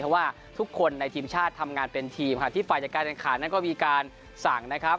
เพราะว่าทุกคนในทีมชาติทำงานเป็นทีมค่ะที่ฝ่ายจัดการแข่งขันนั้นก็มีการสั่งนะครับ